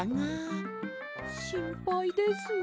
しんぱいです。